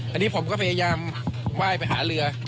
อันนี้ผมก็พยายามไหว้ไปหาเรือ